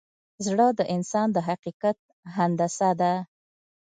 زړه د انسان د حقیقت هندسه ده.